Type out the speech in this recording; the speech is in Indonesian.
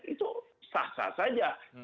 itu sah sah saja